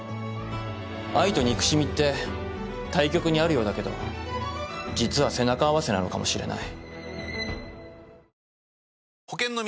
愛と憎しみって対極にあるようだけど実は背中合わせなのかもしれない。